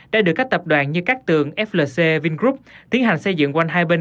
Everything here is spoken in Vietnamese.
đã được các tập đoàn như các tường flc vingroup tiến hành xây dựng quanh hai bên